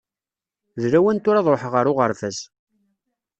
D lawan tura ad ṛuḥeɣ ar uɣerbaz.